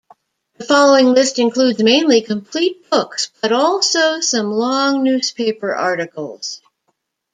The following list includes mainly complete books but also some long newspaper articles.